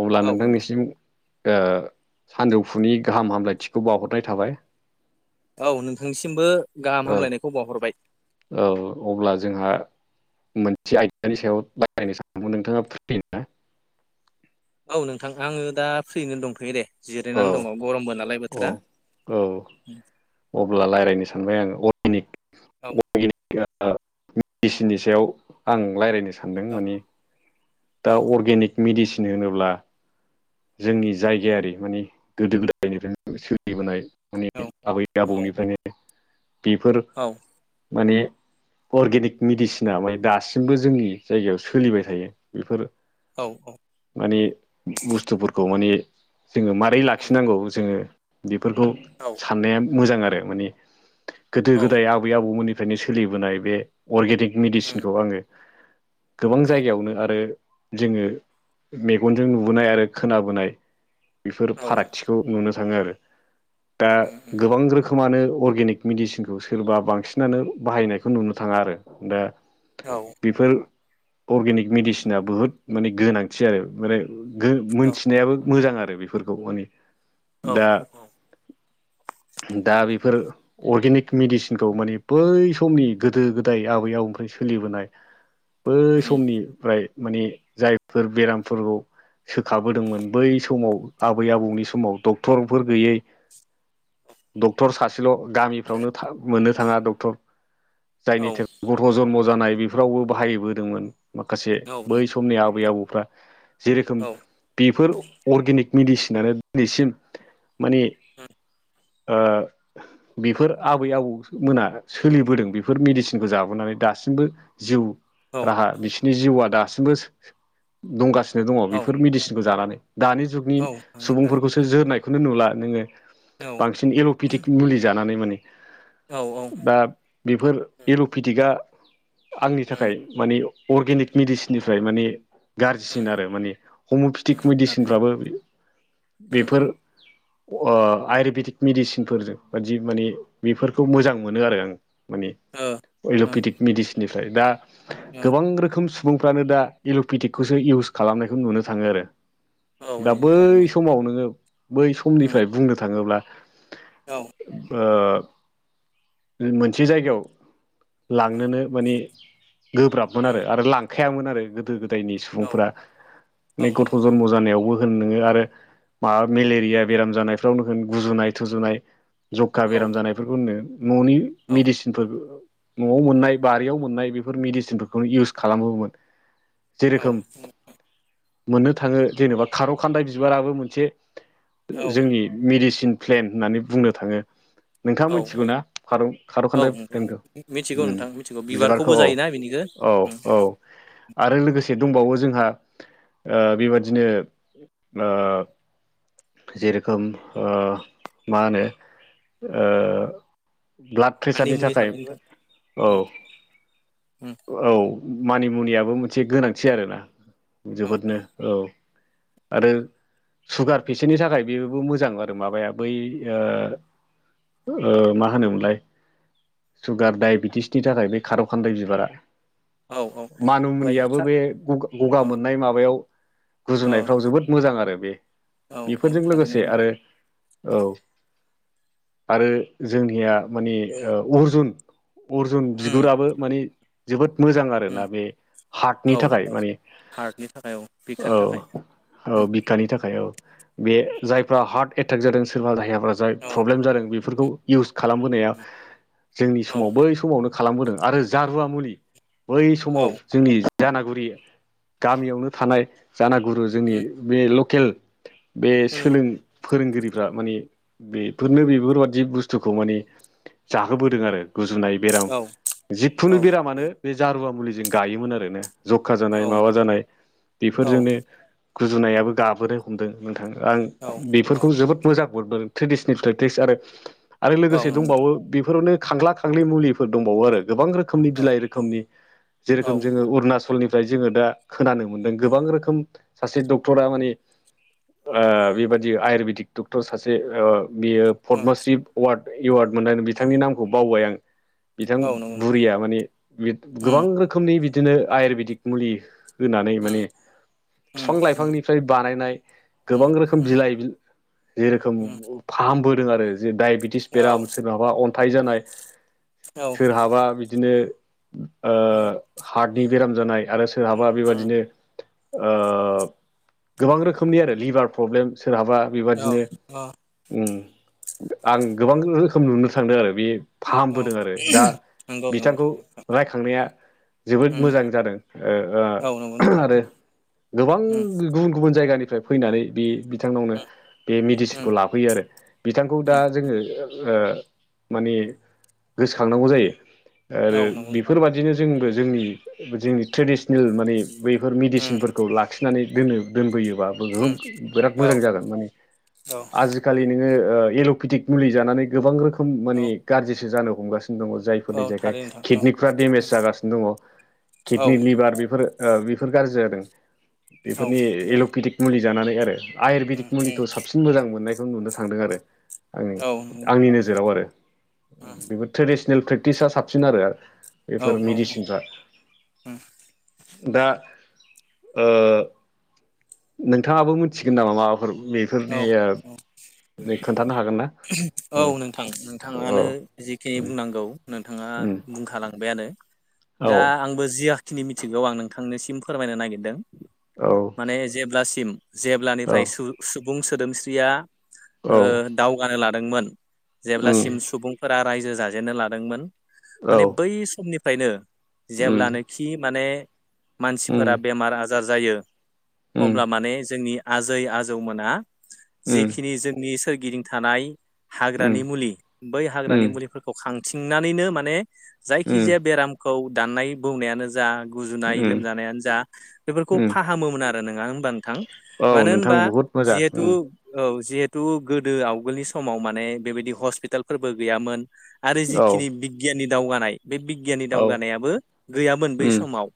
अब्ला औ नोंथां नोंथांनिसिम ओ सानजौफुनि गाहाम हामलायथिखौ बावहरनाय थाबाय। औ नोंथांनिसिमबो गाहाम औ हामलायनायखौ बावहरबाय। औ अब्ला जोंहा मोनसे आयदानि सायाव [unintelligible] नोंथाङा फ्रि ना? औ नोंथां आङो दा फ्रियैनो दंथयो दे औ जिरायनानै दङ गरमबो नालाय औ बोथोरा। औ अब्ला रायज्लायनो सानबाय आङो औ अर्गेनिक [unintelligible] मेडिसिननि सायाव आं रायज्लायनो सानदों औ माने दा औ अर्गेनिक मेडिसिन होनोब्ला जोंनि जायगायारि माने गोदो गोदायनिफ्राय सोलिबोनाय माने औ आबै औ आबौनिफ्रायनो बेफोर औ माने अर्गेनिक मेडिसिना माने दासिमबो जोंनि जायगायाव सोलिबाय थायो। बेफोर औ औ। माने बुस्थुफोरखौ माने जोंङो मारै उम लाखिनांगौ जोंङो बेफोरखौ औ साननाया मोजां आरो माने गोदो औ गोदाय आब बै आबौमोननिफ्रायनो सोलिबोनाय बे अर्गेनिक उम मेडिसिनखौ आङो गोबां औ जायगायावनो आरो जोंङो मेगनजों नुबोनाय आरो खोनाबोनाय बेफोर औ फाराग खाथिखौ नुनो थाङो आरो दा उम उम गोबां रोखोम रोखोमानो अर्गेनिक मेडिसिनखौ सोरबा बांसिनानो बाहायनायखौ नुनो थाङा आरो दा। औ। बेफोर अर्गेनिक मेडिसिना बुहुत माने गोनांथि आरो माने गो औ मोनथिनायाबो मोजां आरो बेफोरखौ माने औ दा दा बेफोर अर्गेनिक मेडिसिनखौ माने बै समनि गोदो गोदाय आबै आबौनिफ्राय सोलिबोनाय बै उम समनिफ्राय माने जायफोर बेरामफोरखौ सोखाबोदोंमोन बै समाव आबै आबौनि समाव डक्टरफोर गैयै [inaudible] डक्टर सासेल' गामिफ्रावनो था मोननो थाङा डक्टर औ जायनि औ थे गथ' जन्म जानाय बेफोरावबो बाहायबोदोंमोन माखासे नों बै समनि आबै आबौफ्रा। जेरोखोम बेफोर अर्गेनिक मेडिसिनानो दिनैसिम माने बेफोर आबै आबौ मोना सोलिबोदों बेफोर मेडिसिनखौ जाबोनानै दासिमबो जिउ राहा बिसोरनि जिउआ दासिमबो दंगासिनो दङ औ बेफोर मेडिसिनखौ जानानै। दानि जुगनि औ नंगौ थारैनो औ सुबुंफोरखौसो जोरनायखौनो नुला नोंङो औ बांसिन एल'पिटिक मुलि जानानै माने औ दा बेफोर एर'पेटिकआ आंनि उम थाखाय माने अर्गेनिक मेडिसिननिफ्राय माने उम गाज्रिसिन आरो माने हमिअपेटिक उम थारैनो मेडिसिनफ्राबो उम बेफोर अ आयुरबेदिक मेडिसिनफोरजों बायदि माने बेफोरखौ मोजां मोनो आरो आं। माने ओ ओ अइल'पेटिक मेडिसिननिफ्राय दा गोबां रोखोम सुबुंफ्रानो दा एल'पेटिकखौसो इउस खालामनायखौ नुनो थाङो आरो। ओ औ दा नंगौ बै थारैनो समाव नोङो बै उम समनिफ्राय बुंनो थाङोब्ला औ। ओ मोनसे जायगायाव लांनोनो मानि गोब्राबमोन आरो उम आरो लांखायामोन आरो गोदो गोदायनि औ सुबुंफोरा औ नै गथ' जनम जानायावबो होन नोङो आरो मा मेलेरिया बेराम जानायफ्रावनो होन गुजुनाय थुजुनाय जखा औ बेराम जानायफोरखौ होननो न'नि औ मेडिसिनफोर न'आव मोननाय बारियाव मोननाय बेफोर मेडिसिनफोरखौनो इउस खालामोमोन। औ जेरोखोम मोननो थाङो जेनेबा खार' खान्दाय बिबाराबो मोनसे औ जोंनि मेडिसिन प्लेन होननानै बुंनो थाङो। नोंथाङा औ मिथिगौ औ। ना खारौ खारौ औ खान्दाय नंगौ, प्लेनखौ मिथिगौ उम नोंथां मिथिगौ। बिबारखौ बिबारखौबो औ जायोना बेनिखो? औ ओ औ आरो लोगोसे आ दंबावो जोंहा बेबादिनो आ जेरोखोम ओ मा होनो ओ ब्लाट मानि प्रेसारनि मुनि थाबाय थाखायबो नोंथां औ। उम उम औ मानि मुनियाबो मोनसे गोनांथि आरोना औ जोबोदनो। औ आरो सुगार बिसोरनि थाखाय बेबो मोजां आरो माबाया बै ओ ओ मा होनोमोनलाय सुगार डायबेटिसनि थाखाय बे खारौ खान्दाय बिबारा। औ ओमफ्राय मानिमुनियाबो खा बे गगा गगा औ मोननाय माबायाव औ गुजुनायफ्राव जोबोद मोजां आरो बे औ औ बेफोरजों थारैनो लोगोसे आरो औ आरो जोंनिया मानि ओ अर्जुन, अर्जुन उम बिगुराबो मानि जोबोद मोजां उम आरोना बे हार्टनि औ थाखाय औ मानि। हार्टनि थाखाय औ बिखानि थाखाय। औ उम बिखानि थाखाय औ बे जायफ्रा हार्ट एटेक जादों सोरबा जायहा जाय औ प्रब्लेम जादों बेफोरखौ इउस खालामबोनाया जोंनि औ समाव बै समावनो खालामबोदों आरो जारुवा मुलि बै समाव औ जोंनि जानागुरि गामियावनो थानाय जानागुरु जोंनि उम बे लकेल बे उम सोलों फोरोंगिरिफ्रा माने बेफोरनो बेफोरबादि बुस्थुखौ माने जाहोबोदों आरो गुजुनाय बेराम औ औ जिखुनु बेरामानो बे जारुवा मुलिजों गायोमोन ओरैनो। जख्खा जानाय औ माबा जानाय औ बेफोरजोंनो गुजुनायाबो गाबोदों मोनदों नोंथां आं औ बेफोरखौ जोबोद मोजां मोनदों ट्रेडिसनेल प्रेक्ट्रेस आरो आरो लोगोसे दंबावो बेफोरावनो खांग्ला खांग्लि मुलिफोर दंबावो आरो गोबां रोखोम रोखोमनि औ बिलाइ रोखोमनि औ जोङो अरूणाचनि फ्राय जोङो दा खोनानो मोनदों गोबां रोखोम सासे डक्टरा माने ओ बेबादि आयुरवेदिक डक्टर सासे ओ बियो पदमश्रि वार्ड एवार्ड मोननानै बिथांनि नामखौ बावबाय आं बिथां औ नंगौ बुरिया माने गोबां उम रोखोमनि बिदिनो आयुरवेदिक मुलि होनानै माने उम उम बिफां उम लाइफांनिफ्राय बानायनाय उम गोबां रोखोम उम बिलाइ जेरोखोम उम फाहामबोदों आरो जे दडायबेटिस औ बेराम सोरहाबा अन्थाइ औ जानाय सोरहाबा बिदिनो उम हार्टनि बेराम जानाय आरो सोरहाबा बेबादिनो ओ गोबां रोखोमनि आरो लिभार प्रब्लेम सोरहाबा औ बेबादिनो औ ओम आं गोबां रोखोम नुनो थांदों आरो बे औ फाहामबोदों आरो दा नंगौ नंगौ बिथांखौ नोंथां रायखांनाया जोबोद उम मोजां जादों ओ ओ औ नंगौ आरो गोबां नोंथां गुबुन गुबुन जायगानि फ्राय फैनानै बे बिथांनावनो बे उम मेडिसिनखौ लाफैयो आरो बिथांखौ दा उम जोङो ओ माने गोसोखांनांगौ जायो औ आरो नंगौ बेफोरबा बिदिनो जोंबो जोंनि जोंनि ट्रेडिसनेल माने बैफोर उम मेडिसिनफोरखौ ला आखिनानै दोन दोनबोयोबा उम बिराद औ मोजां जागोन माने औ आ आजिखालि नोङो एल'पेटिक मुलि जानानै गोबां रोखोम माने औ गाज्रिसो जानो हमगासिनो दङ। जायफोरनि औ थारै जायगायाव नोंथां औ किडनिफ्रा डेमेज जागासिनो दङ औ किडनि लिभार बेफोरो ओ बेफोर गाज्रि जादों औ बेफोरनि थारै उम एल'केटिक मुलि जानानै आरो आयुरवेदिक उम मुलिखौ साबसिन मोजां मोननायखौ नुनो थांदों आरो आंनि औ आंनि नोजोराव आरो बेबो ट्रेडिसन रियेल प्रेकटिसा साबसिन आरो बेफोर उम मेडिसिनफ्रा औ दा ओ नोंथाङाबो मिथिगोन नामा माबाफोर बे औ सोरनिबियो खोन्थानो हागोन ना औ नोंथां नोंथाङानो औ। जिखिनि बुंनांगौ नोंथाङा बुंखालांबायानो औ दा आंबो जियाखिनि मिथिगौ आं नोंथांनिसिम फोरमायनो नागिरदों। औ माने जेब्लासिम औ जेब्लानिफ्राय सुबुं सोदोमस्रिया ओ दावगानो लादोंमोन उम जेब्लासिम सुबुंफोरा रायजो जाजेननो लादोंमोन औ माने बै समनिफ्रायनो उम जेब्लानाखि माने उम मानसिफोरा बेमार आजार जायो उम अब्ला माने जोंनि आजै आजौमोना उम जिखिनि जोंनि सोरगिदिं थानाय हाग्रानि उम मुलि बै हाग्रानि उम मुलिफोरखौ खौ खांथिंनानैनो माने उम जायखिजाया बेरामखौ दाननाय बौनायानो जा गुजुनाय उम लोमजानायानो जा बेफोरखौ उम फाहामोमोन आरो नङा होनबा नोंथां औ मानो नोंथां होनबा बहुद मोजां जिहेतु औ जिहेथु गोदो आवगोलनि समाव माने बेबायदि हस्पितालफोरबो गैयामोन आरो औ जिखिनि बिगियाननि दावगानाय बे बिगियाननि औ दावगानायाबो गैयामोन बै उम समाव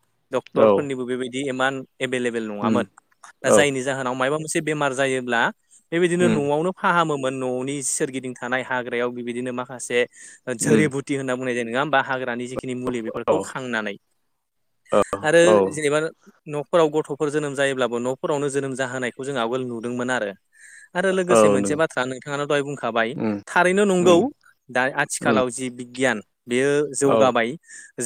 औ डक्टरफोरनिबो बेबायदि इमान एभेलेबेल उम नङामोन दा औ जायनि जाहोनाव माबा मोनसे बेमार जायोब्ला बेबायदिनो उम न'आवनो फाहामोमोन न'नि सोरगिदिं थानाय हाग्रायाव बिबायदिनो माखासे उम जोरिबुथि होनना बुंनाय जायो नङा होमबा हाग्रानि जिखिनि मुलि औ बेफोरखौ खांनानै आरो औ जेनेबा न'फोराव गथ'फोर जोनोम जायोब्लाबो न'फोरावनो जोनोम जाहोनायखौ जोंहा आगोल नुदोंमोन आरो। आरो औ लोगोसे मोनसे नों बाथ्रा नोंथाङानो दहाय बुंखाबाय उम थारैनो नंगौ। उम दा उम आथिखालाव जि बिगियान बेयो औ जौगाबाय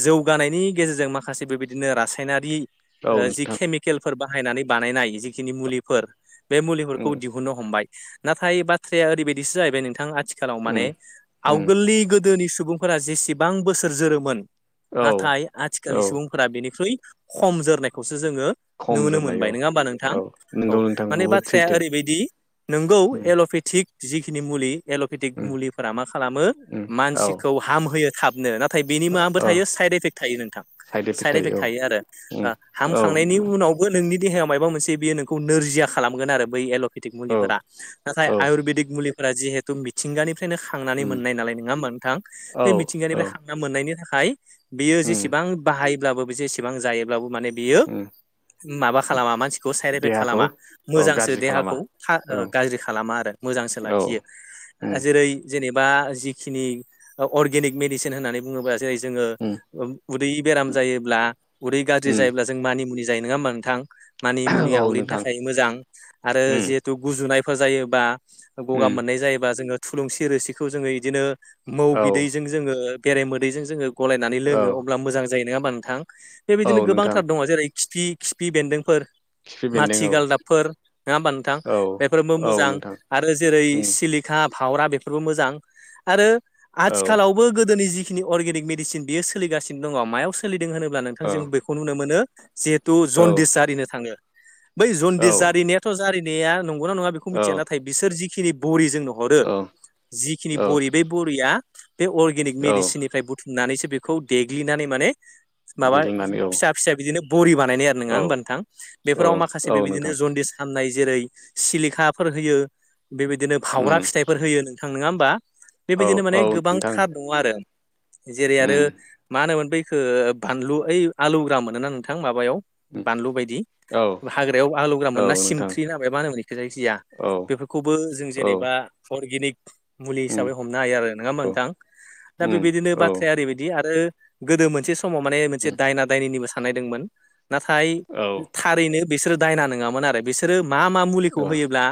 जौगानायनि गेजेरजों माखासे बेबायदिनो रासायनारि औ जि नोंथां के ल फोर बाहायनानै बानायनाय जिखिनि मुलिफोर बे मुलिफोरखौ उम दिहु दिहुननो हमबाय नाथाय बाथ्राया ओरैबायदिसो जाहैबाय नोंथां आथिखालाव माने उम उम आवगोलनि गोदोनि सुबुंफोरा जेसेबां बोसोर जोरोमोन औ नाथाय आथिखालनि औ सुबुं फोर बेनिख्रुइ हम जोरनायखौसो जोङो खम नुनो जोरनाय औ मोनबाय नङा होमबा नोंथां? औ औ नोंगौ नोंथां माने बहुद बाथ्राया सैथो ओरैबायदि नोंगौ उम एल'पेथिक जिखिनि मुलि एल'पेटिक उम मुलिफोरा मा खालामो उम औ मानसिखौ हामहोयो थाबनो न नाथाय बेनि माबो औ थायो साइड इफेक्ट थायो नोंथां। साइड इफेक्ट थायो आरो उम औ हामखांनायनि उनाव नोंनि देहायाव मबा मोनसे बेयो नोंखौ नोरजया खालामोन आरो बै एल' आ औ मफोरा नाथाय औ आयुरवेदिक मुलिफोरा जिहेतु मिथिंगानिफ्रायनो ख खांनानै उम मोननाय नालाय नङा होमबा नोंथां औ बे औ मिथिंगानिफ्राय मोननायनि थाखाय बियो उम जेसेबां बाहायब्लाबो बे जेसेबां जायोब्लाबो माने बेयो उम माबा खालामा मानसिखौ साइद एफेक्ट देहाखौ खालामा औ मोजांसो गाज्रि खालामा देहाखौ औ गाज्रि खालामा आरो मोजांसो औ लाखियो। उम जेरै जेनेबा जिखिनि अर्गेनिक मेडिसिन होननानै बुङोबा जेरै जोङो उम उदै बेराम जायोब्ला उदै गाज्रि उम जायोब्ला जों मानि मुनि जायो नङा होमबा नोंथां? मानि औ मुनिया उदैनि नोंथां थाखाय मोजां आरो उम जिहेथु गुजुनायफोर जायोबा गगा उम मोननाय जायोबा जोङो थुलुंसि रोसिखौ जोङो बिदिनो मौ औ बिदैजों - जोङो बेराय मोदैजों जोङो गलायनानै औ लोङो अब्ला मोजां जायो नङा होमबा नोंथां? औ बेबायदिनो नोंथां गोबांथार दङ जेरै खिफि खिफि बेन्दोंफोर। खिफि माथि बेन्दों औ गालदाबफोर नङा होमबा नोंथां औ बेफोरबो औ मोजां नोंथां आरो जेरै उम सिलिक बिखा फावरा बेफोरबो मोजां आरो औ आथिखालाव गोदोनि जिखिनि अर्गेनिक मेडिसिन बेयो सोलिानो दङ मायाव सोलिदों होनोब्ला नोंथां औ जों बेखौ नुनो मोनो जिहेथु औ जनदिस जारिनो थाङो बै जन्दिस जारिनायाथ' जारिनाया नंगौना नङा बेखौ औ मिथिया नाथाय बिसोर जिखिनि बरिजों हरो औ जिखिनि औ बरि बे बरिया बे अर्गेनिक औ मेडिसिननिफ्राय बुथुम होननानैसो बेखौ देग्लिनानै माने माबा देग्लिनानै औ फिसा फिसा बिदिनो बरि बानायनाय आरो नङा औ होनबा नोंथां औ बेफोराव माखासे औ बबादिनो नोंथां ज जन्दिस खालामनाय जेरै सिलिखाफोर होयो बेबायदिनो उम बावग्रा फिथाइफोर होयो नों ां नङा होमबा औ बेबायदिनो माने औ नोंथां गोबांथार नङ आरो जेरै आरो उम मा होनोमोन बै ओ बानलु ओइ आलुग्रा मोनो ना नोंथां माबायाव उम बानलु बायदि औ हाग्रायाव आलौग्रा मोनो औ ना नोंथां सिमफ्रि होनो ना मा मानो होनोखो जायखिजाया औ बेफोरखौबो जों औ जेनेबा नि अरगेनिक मुलि उम हिसाबै ह नाय आरो नङा होनबा औ नोथां दा उम बेबादिनो औ बाथ्राया ओरैबादि आरो गोदो मोनसे सम समाव माने मोनसे उम दायना दायनिनिबो साननायदोंमोन नाथाय औ थारैनो बिसोरो दायना नङामोन आरो बिसोरो मा मा मुलिखौ औ होयोब्ला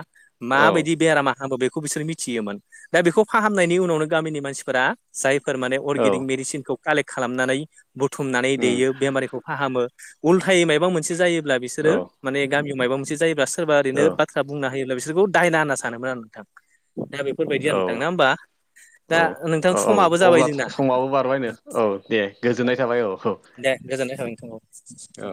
औ माबायदि बेरामा फाहामो बेखौ बिसोर मिथियोमोन दा बेखौ फाहामनायनि उनावनो गामिनि मानसिफोरा जायफोर माने औ अर्गेनिक मेडिसिनखौ कालेक्ट खालामनानै बुथुमनानै उम देयो बेमारिखौ फाहामो उल्थायै माबा मोनसे जायोब्ला औ बिसोरो माने गामियाव माबा मोनसे जायोब्ला सोरबा औ ओरैनो ब बुंना होयोब्ला बिसोरखौ दायना होनना सानोमोन आरो नोंथां दा बेफोरबायदि आरो नोंथां ना होमबा औ दा नोंथां औ औ समाबो जाबाय अब्ला जोंना समाबो बारबायनो औ दे गोजोननाय थाबाय औ औ दे गोजोननाय थाबायथां ओ। औ